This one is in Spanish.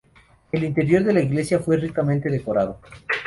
El interior de la iglesia fue ricamente decorado.